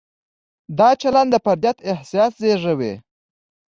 دا چلند د فردیت احساس زېږوي.